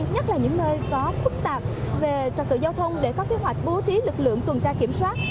nhất là những nơi có phức tạp về trật tự giao thông để có kế hoạch bố trí lực lượng tuần tra kiểm soát